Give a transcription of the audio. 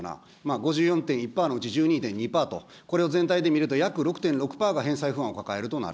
５４．１パーのうち、１２．２パーと、これを全体で見ると、約６．６パーが返済不安を抱えるとなる。